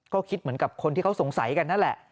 ก็คิดเหมือนกับคนที่เขาสงสัยกันนั่นแหละ